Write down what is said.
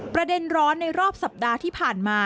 ประเด็นร้อนในรอบสัปดาห์ที่ผ่านมา